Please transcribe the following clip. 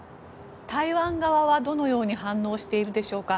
台湾側はどのように反応しているでしょうか。